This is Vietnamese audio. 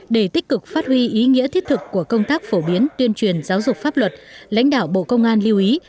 để tích cực phát huy ý nghĩa thiết thực của công tác phổ biến tuyên truyền giáo dục pháp luật lãnh đạo bộ công an lưu ý